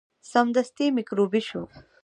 سمدستي میکروبي شو.